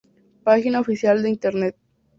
Página oficial de internet